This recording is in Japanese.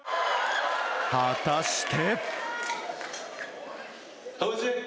果たして。